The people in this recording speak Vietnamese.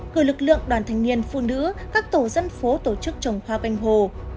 gửi lực lượng đoàn thành niên phụ nữ các tổ dân phố tổ chức trồng khoa quanh hồ